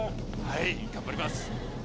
はい頑張ります。